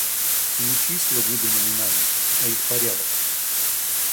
Не числа выдуманы нами, а их порядок.